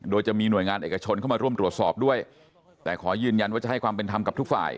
โดยจะมีหน่วยงานเอกชนเข้ามาร่วมตรวจสอบด้วยแต่ขอยืนยันว่าจะให้ความเป็นธรรมกับทุกฝ่าย